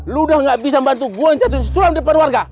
lu udah gak bisa bantu gue yang jatuh sulam diperluan